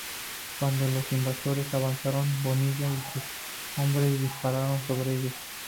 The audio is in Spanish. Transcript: Cuando los invasores avanzaron, Bonilla y sus hombres dispararon sobre ellos.